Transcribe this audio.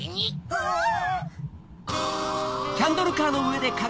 あっ！